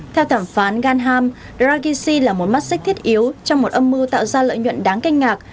theo thảm phán ghanham dargissi là một mắt xích thiết yếu trong một âm mưu tạo ra lợi nhuận đáng canh ngạc